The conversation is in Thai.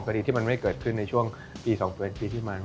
คดีที่มันไม่เกิดขึ้นในช่วงปี๒ปีที่มา